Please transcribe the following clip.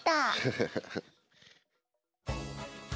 ハハハハ。